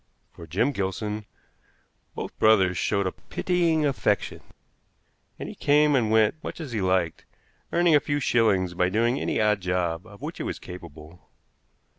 For Jim Gilson both brothers showed a pitying affection, and he came and went much as he liked, earning a few shillings by doing any odd job of which he was capable.